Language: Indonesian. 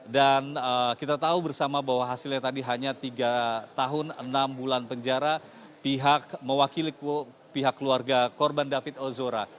dan kita tahu bersama bahwa hasilnya tadi hanya tiga tahun enam bulan penjara pihak mewakili pihak keluarga korban david ozora